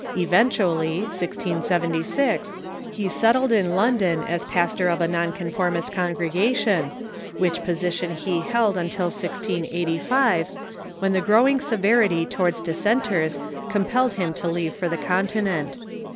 Eventually (1676) he settled in London as pas tor of a non conformist congregation, which position he held till 1685, when the growing severity towards dissenters com pelled him to leave for the Continent.